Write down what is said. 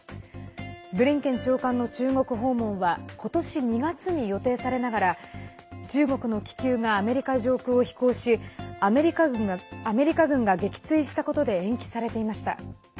ブリンケン長官の中国訪問は今年２月に予定されながら中国の気球がアメリカ上空を飛行しアメリカ軍が撃墜したことで延期されていました。